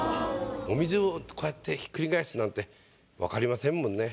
お水をこうやってひっくり返すなんて分かりませんもんね。